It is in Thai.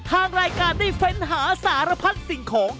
ทางรายการได้เฟ้นหาสารพัดสิ่งของ